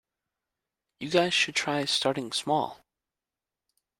You guys should try starting small.